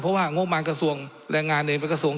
เพราะว่างบมันกระทรวงแรงงานเอง